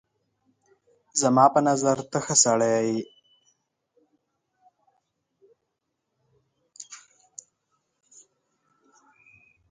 زما په نظر ته ښه سړی یې